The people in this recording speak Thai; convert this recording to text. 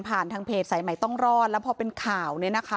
ผ่านทางเพจไส้ใหม่ต้องรอดแล้วพอเป็นข่าว